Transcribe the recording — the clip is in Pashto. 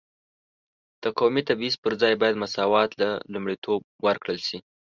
د قومي تبعیض پر ځای باید مساوات ته لومړیتوب ورکړل شي.